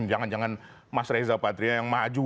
jangan jangan mas reza patria yang maju